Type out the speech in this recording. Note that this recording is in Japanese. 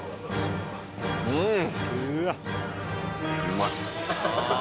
うん！